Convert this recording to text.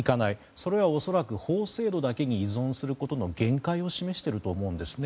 それは恐らく法制度だけに依存することの限界を示していると思うんですね。